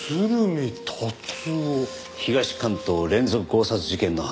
東関東連続強殺事件の犯人。